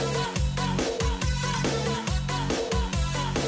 วันนี้เราลาก่อนแล้ว